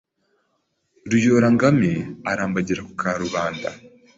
Ruyorangame arambagira ku Karubanda